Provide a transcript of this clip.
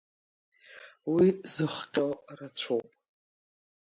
Уи зыхҟьо рацәоуп.